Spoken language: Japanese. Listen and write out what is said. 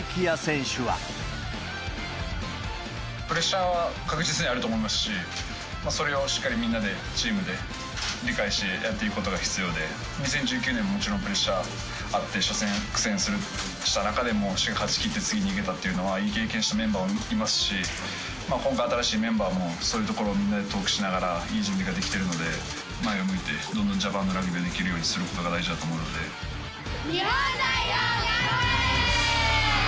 プレッシャーは確実にあると思いますし、それをしっかりみんなで、チームで理解してやっていくことが必要で、２０１９年ももちろんプレッシャーあって、初戦、苦戦した中でも、一緒に勝ちきって次いけたというのは、いい経験したメンバーもいますし、今回新しいメンバーも、みんなでそういうところ、トークしながら、いい準備ができてるので、前を向いて、どんどんジャパンのラグビーをできるようにすることが大事だと思日本代表がんばれ！